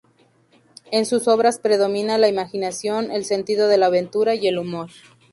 En sus obras predomina la imaginación, el sentido de la aventura y el humor.